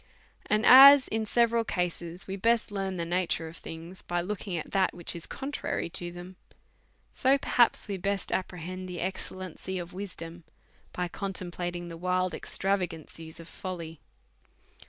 And as in several cases we best ]earn the nature of things by looking at that which is contrary to them^ so perhaps we best com prehend the excellency of wisdom by contemplating the wild extravagances of folly.